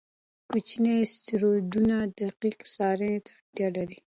کوچني اسټروېډونه دقیق څار ته اړتیا لري.